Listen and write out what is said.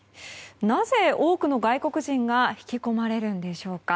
なぜ多くの外国人が引き込まれるんでしょうか。